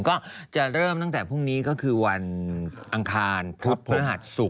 ก็คือจะเริ่มตั้งแต่พรุ่งนี้ก็คือวันอังคารมหาติศุกร์เสาร์